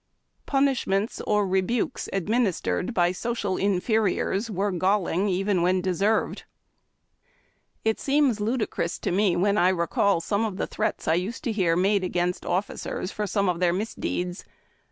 Punish ments or rebukes administered by social inferiors were galling: even when deserved. It seems ludicrous to me when I recall the threats I used to hear made agains^ oiiticers for some of their misdeeds.